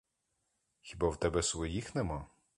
Хіба в тебе своїх нема?